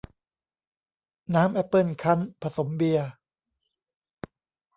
น้ำแอปเปิ้ลคั้น ผสมเบียร์